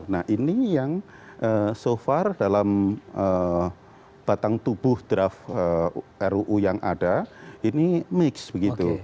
jadi yang so far dalam batang tubuh draft ruu yang ada ini mix begitu